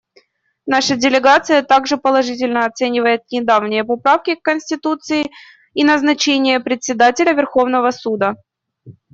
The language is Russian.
Наша делегация также положительно оценивает недавние поправки к Конституции и назначение Председателя Верховного суда.